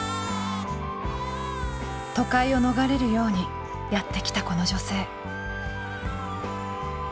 都会を逃れるようにやって来たこの女性。